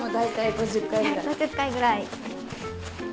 ５０回ぐらい。